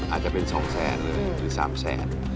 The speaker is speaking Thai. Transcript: อาจจะเป็นสองแสนเลยหรือสามแสน